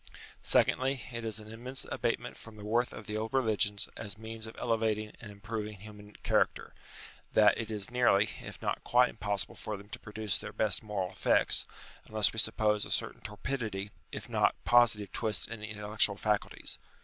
Secondly, it is an immense abatement from the worth of the old religions as means of elevating and 112 UTILITY OF RELIGION improving human character, that it is nearly, if not quite impossible for them to produce their best moral effects, unless we suppose a certain torpidity, if not positive twist in the intellectual faculties.